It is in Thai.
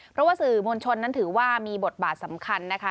เพราะว่าสื่อมวลชนนั้นถือว่ามีบทบาทสำคัญนะคะ